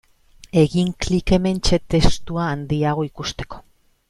Egin klik hementxe testua handiago ikusteko.